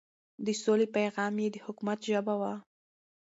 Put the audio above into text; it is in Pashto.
د سولې پيغام يې د حکومت ژبه وه.